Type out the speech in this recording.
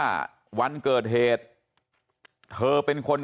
ครับคุณสาวทราบไหมครับ